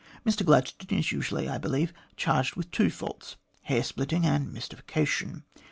Mr Gladstone is usually, I believe, charged with two faults hair splitting and mystification.